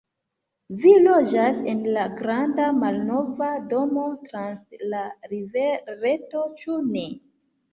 Vi loĝas en la granda, malnova domo trans la rivereto, ĉu ne?